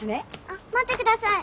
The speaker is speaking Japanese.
あっ待って下さい。